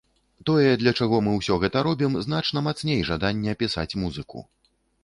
Тое, для чаго мы ўсё гэта робім, значна мацней жадання пісаць музыку.